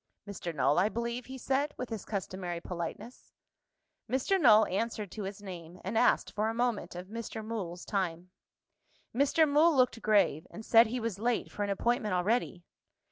"Mr. Null, I believe?" he said, with his customary politeness. Mr. Null answered to his name, and asked for a moment of Mr. Mool's time. Mr. Mool looked grave, and said he was late for an appointment already.